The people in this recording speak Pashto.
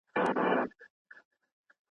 زه به شمله په سر کږه له خياله وړمه